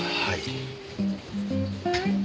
はい。